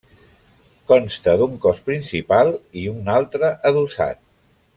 Consta d'un cos principal i un altre adossat.